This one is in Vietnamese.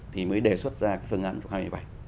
thì mới đề xuất ra cái phương án hai mươi bảy